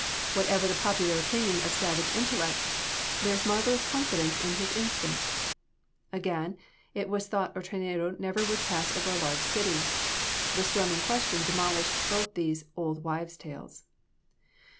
Whatever the popular opinion of savage intellect, there is marvelous confidence in his instinct. Again, it was thought a tornado never would pass over a large city. The storm in question demolished both these "olde wyves' tales."